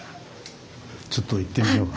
ちょっと行ってみようか。